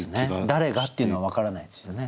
「誰が」っていうのは分からないですよね。